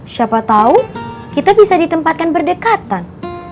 siapa tahu kita bisa ditempatkan berdekatan